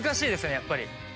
やっぱり。